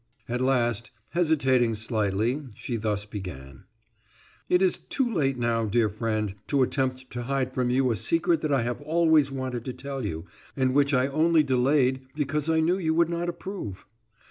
At last, hesitating slightly, she thus began: "It is too late now, dear friend, to attempt to hide from you a secret that I have always wanted to tell you, and which I only delayed because I knew you would not approve.